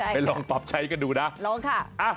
ลองปรับใช้กันดูนะลองค่ะ